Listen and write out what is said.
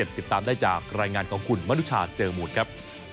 ติดตามได้จากรายงานของคุณมนุชาเจอมูลครับ